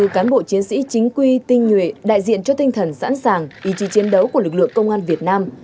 hai mươi cán bộ chiến sĩ chính quy tinh nhuệ đại diện cho tinh thần sẵn sàng ý chí chiến đấu của lực lượng công an việt nam